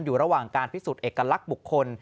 อยู่ระหว่างการพิสูจน์เอกลักษณ์บุคคล